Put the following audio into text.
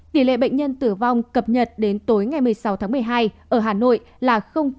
tỷ lệ bệnh nhân tử vong cập nhật đến tối ngày một mươi sáu tháng một mươi hai ở hà nội là một